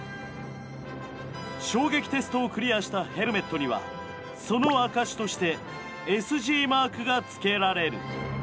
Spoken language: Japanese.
衝撃テストをクリアしたヘルメットにはその証しとしてＳＧマークがつけられる。